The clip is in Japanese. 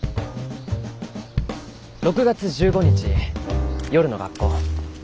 ６月１５日夜の学校